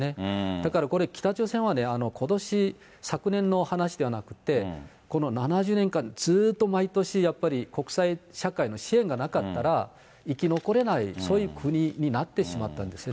だから、これ、北朝鮮はことし、昨年の話ではなくて、この７０年間、ずっと毎年やっぱり、国際社会の支援がなかったら、生き残れない、そういう国になってしまったんですよね。